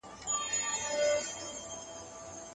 پخوانیو لیکوالانو یوازې ستاینه کړې